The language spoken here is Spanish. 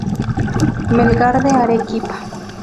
Melgar de Arequipa.